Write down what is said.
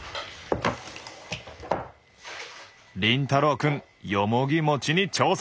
凛太郎くんよもぎ餅に挑戦！